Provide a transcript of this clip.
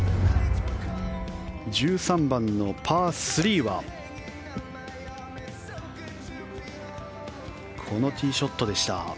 １３番のパー３はこのティーショットでした。